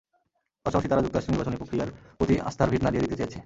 পাশাপাশি তারা যুক্তরাষ্ট্রের নির্বাচনী প্রক্রিয়ার প্রতি আস্থার ভিত নাড়িয়ে দিতে চেয়েছে।